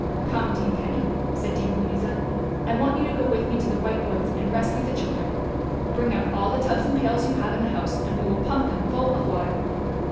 " Come, Dame Penny," said Dame Louisa, '' I want you to go with me to the White Woods and rescue the children. Bring out all the tubs and pails you have in the house, and we will pump them full of water."